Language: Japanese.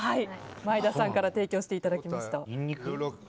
前田さんから提供していただきました。